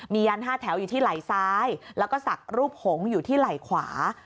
มียัน๕แถวอยู่ที่ไหล่ซ้ายแล้วก็ศักดิ์รูปหงษ์อยู่ที่ไหล่ขวา